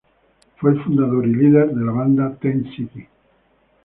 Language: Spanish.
Fue el fundador y líder de la banda Ten City.